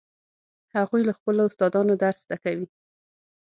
هغوی له خپلو استادانو درس زده کوي